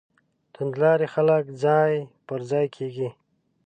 توندلاري خلک ځای پر ځای کېږي.